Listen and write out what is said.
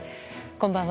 こんばんは。